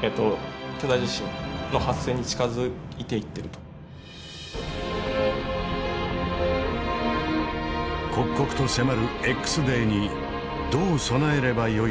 刻々と迫るＸデーにどう備えればよいのか。